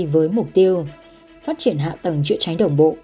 và phát triển hạ tầng chữa cháy đồng bộ